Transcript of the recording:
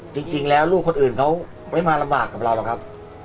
จริงแล้วลูกคนอื่นเขาไม่มาลำบากกับเราหรอกครับ